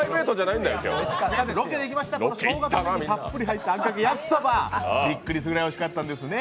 ロケで行きました、しょうがとねぎがたっぷり入ったあんかけ焼きそばでびっくりするぐらいおいしかったんですね。